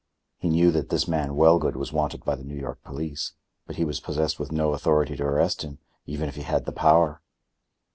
He knew that this man Wellgood was wanted by the New York police, but he was possessed with no authority to arrest him, even if he had the power.